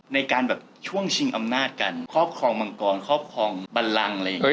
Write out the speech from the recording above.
ในการแบบช่วงชิงอำนาจกันครอบครองมังกรครอบครองบันลังอะไรอย่างนี้